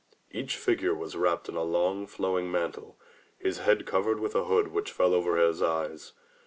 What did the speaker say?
Each figure was wrapped in a long, flowing mantle, his head covered with a hood which fell over his eyes.